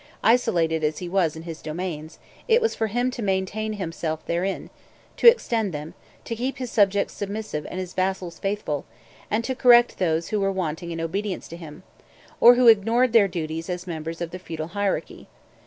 Isolated as he was in his domains, it was for him to maintain himself therein, to extend them, to keep his subjects submissive and his vassals faithful, and to correct those who were wanting in obedience to him, or who ignored their duties as members of the feudal hierarchy.